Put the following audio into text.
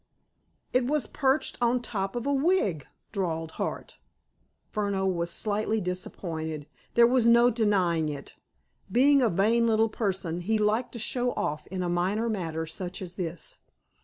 "It was perched on top of a wig," drawled Hart. Furneaux was slightly disappointed—there was no denying it. Being a vain little person, he liked to show off in a minor matter such as this.